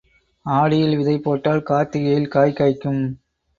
ஆடியில் விதை போட்டால் கார்த்திகையில் காய் காய்க்கும்.